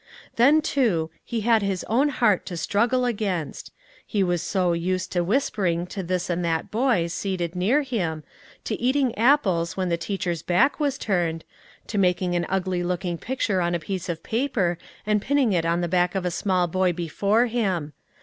Then, too, he had his own heart to struggle against: he was so used to whispering to this and that boy seated near him, to eating apples when the teacher's back was turned, to making an ugly looking picture on a piece of paper and pinning it on the back of a small boy before him.